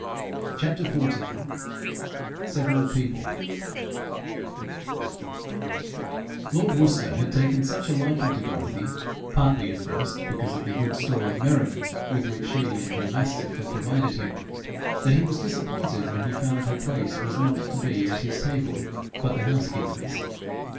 CHAPTER XIV SEVERAL PEOPLE Lord Worcester had taken such a liking to Dorothy, partly at first because of the good store of merriment with which she and her mastiff had provided him, that he was disappointed when he found her place was not to be at his table but the housekeeper's.